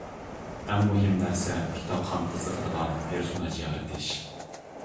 ئەڭ مۇھىم نەرسە، كىتابخان قىزىقىدىغان پېرسوناژ يارىتىش.